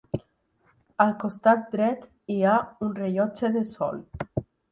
Al costat dret hi ha un rellotge de sol.